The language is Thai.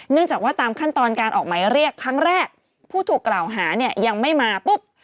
จากว่าตามขั้นตอนการออกหมายเรียกครั้งแรกผู้ถูกกล่าวหาเนี่ยยังไม่มาปุ๊บ